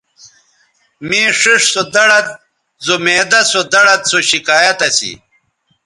مے ݜیئݜ سو دڑد زو معدہ سو دڑد سو شکایت اسی